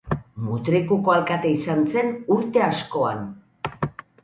Mutrikuko alkate izan zen urte askoan.